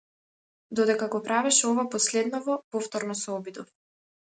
Додека го правеше ова последново, повторно се обидов.